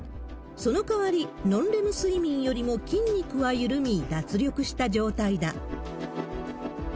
その代わり、ノンレム睡眠よりも筋肉は緩み、脱力した状態だ。